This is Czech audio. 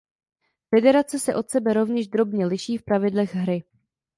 Federace se od sebe rovněž drobně liší v pravidlech hry.